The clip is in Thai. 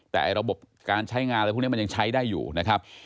แต่ระบบการใช้งานอะไรพวกนี้มันยังใช้ได้อยู่นะครับ